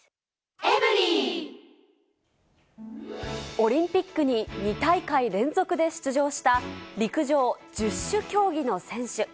オリンピックに２大会連続で出場した、陸上十種競技の選手。